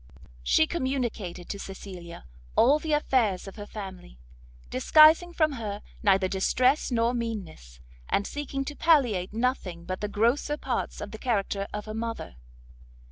She communicated to Cecilia all the affairs of her family, disguising from her neither distress nor meanness, and seeking to palliate nothing but the grosser parts of the character of her mother.